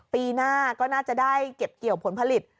ปีหน้าก็น่าจะได้เก็บเกี่ยวผลผลิต